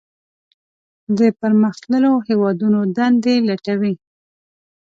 د پرمختللو هیوادونو دندې لټوي.